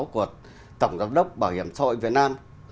hai nghìn một mươi sáu của tổng giám đốc bảo hiểm xã hội việt nam